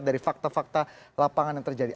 dari fakta fakta lapangan yang terjadi